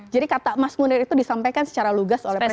jadi kata mas munir itu disampaikan secara lugas oleh presiden